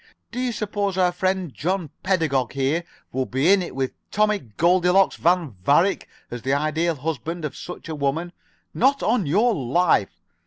Do you suppose our friend John Pedagog here would be in it with Tommie Goldilocks Van Varick as the Ideal Husband of such a woman? Not on your life.